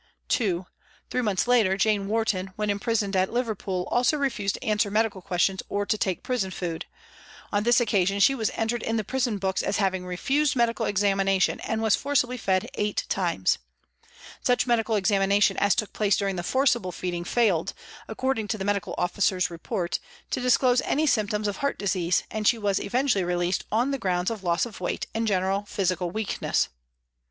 "2. Three months later ' Jane Warton,' when imprisoned at Liverpool, also refused to answer medical questions or to take prison food. On this occasion she was entered in the prison books as having refused medical examination, and was forcibly fed eight times. Such medical examina tion as took place during the forcible feeding failed, according to the medical officer's report, to disclose any symptoms of heart disease, and she was eventually released on the grounds of loss of weight and general physical weakness.